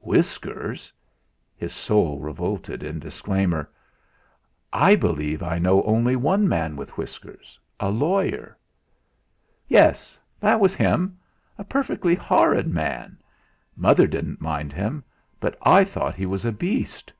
"Whiskers?" His soul revolted in disclaimer. "I believe I only know one man with whiskers a lawyer." "Yes that was him; a perfectly horrid man. Mother didn't mind him, but I thought he was a beast."